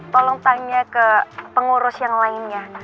tolong tanya ke pengurus yang lainnya